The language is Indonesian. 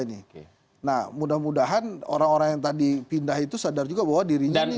nah mudah mudahan orang orang yang tadi pindah itu sadar juga bahwa dirinya ini